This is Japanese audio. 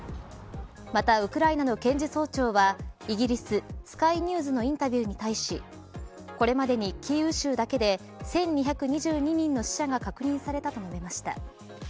また、ウクライナな検事総長はイギリス、スカイニューズのインタビューに対しこれまでにキーウ州だけで１２２２人の死者が確認されたと述べました。